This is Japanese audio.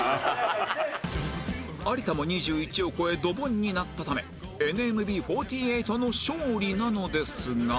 有田も２１を超えドボンになったため ＮＭＢ４８ の勝利なのですが